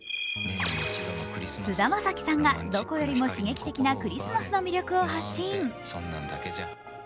菅田将暉さんが、どこよりも刺激的なクリスマスの魅力を発信。